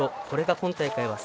これが今大会